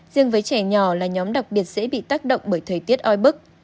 riêng với trẻ nhỏ là nhóm đặc biệt dễ bị tác động bởi thời tiết oi bức